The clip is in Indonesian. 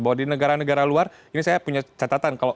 bahwa di negara negara luar ini saya punya catatan